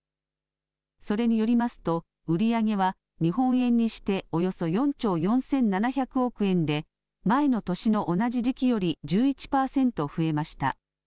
それによりますと売り上げは日本円にしておよそ４兆４７００億円で前の年の同じ時期より１１％増えました。